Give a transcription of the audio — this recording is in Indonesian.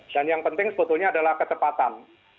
dan yang penting sebetulnya adalah ketepatan